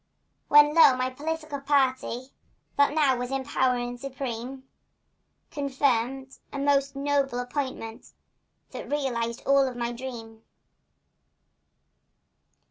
When, lo, my political party, That now was in power and supreme, Conferred a most noble appointment That realized all of my dream.